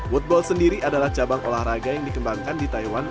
woodball sendiri adalah cabang olahraga yang dikembangkan di taiwan